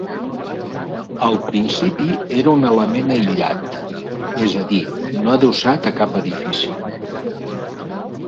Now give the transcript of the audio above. Al principi era un element aïllat, és a dir no adossat a cap edifici.